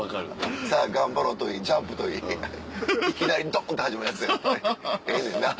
「さあがんばろう」といい『ジャンプ』といいいきなりドン！って始まるやつがやっぱりええねんな。